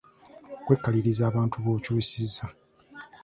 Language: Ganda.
Okwekaliriza abantu b’okyusiza